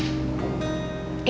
insya allah kami yakin